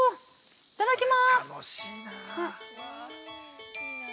いただきます。